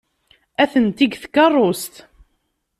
Atenti deg tkeṛṛust.